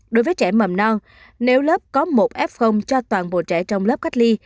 đối với trẻ mầm non nếu lớp có một f cho toàn bộ trẻ trong lớp cách ly